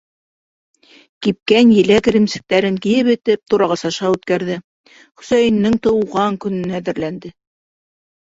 Кипкән еләк эремсектәрен ебетеп, турағыс аша үткәрҙе - Хөсәйененең тыуған көнөнә әҙерләнде.